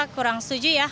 kurang setuju ya